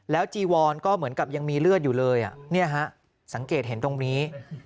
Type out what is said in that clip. จีวอนก็เหมือนกับยังมีเลือดอยู่เลยสังเกตเห็นตรงนี้